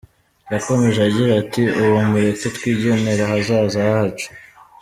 Yakomeje agira ati “Ubu mureke twigenere ahazaza hacu.